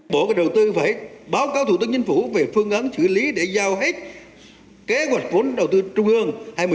bộ và đầu tư phải báo cáo thủ tướng chính phủ về phương án xử lý để giao hết kế hoạch vốn đầu tư trung ương hai nghìn một mươi chín